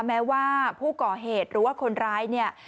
แม้ว่าผู้ก่อเหตุหรือว่าคนร้ายเนี่ย